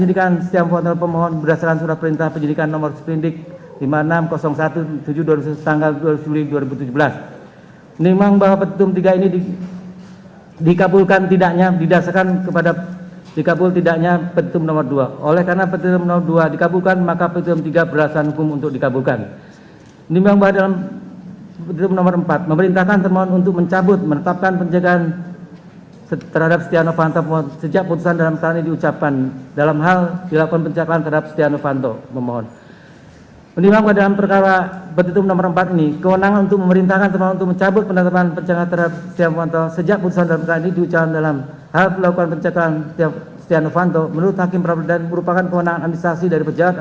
dan memperoleh informasi yang benar jujur tidak diskriminasi tentang kinerja komisi pemberantasan korupsi harus dipertanggungjawab